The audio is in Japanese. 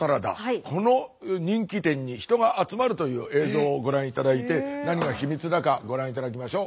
この人気店に人が集まるという映像をご覧頂いて何が秘密だかご覧頂きましょう。